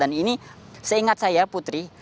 ini seingat saya putri